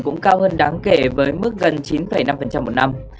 cũng cao hơn đáng kể với mức gần chín năm một năm